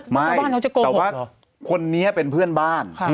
ไม่แต่ว่าคนนี้เป็นเพื่อนบ้าน